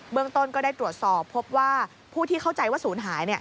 เมืองต้นก็ได้ตรวจสอบพบว่าผู้ที่เข้าใจว่าศูนย์หาย